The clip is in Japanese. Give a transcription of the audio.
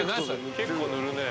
結構塗るね。